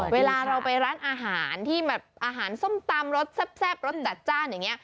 เวลาเราไปร้านอาหารที่แบบอาหารส้มตำรสแซ่บรสจัดจ้านอย่างนี้